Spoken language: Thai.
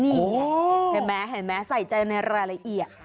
นี่เห็นไหมใส่ใจในรายละเอียด